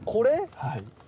はい。